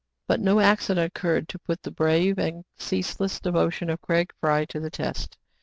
But no accident occurred to put the brave and ceaseless devotion of Fry Craig to the test.